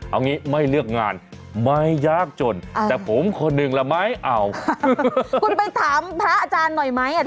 เอางี้ไม่เลือกงานไม่แยกจนแต่ผมคนนึงแหละไหม